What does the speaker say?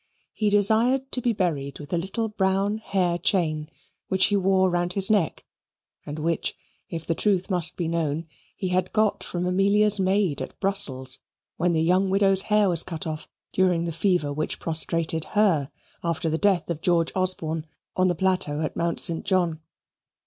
He desired to be buried with a little brown hair chain which he wore round his neck and which, if the truth must be known, he had got from Amelia's maid at Brussels, when the young widow's hair was cut off, during the fever which prostrated her after the death of George Osborne on the plateau at Mount St. John.